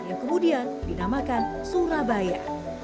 yang kemudian dinamakan surabaya